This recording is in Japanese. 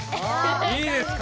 いいですか？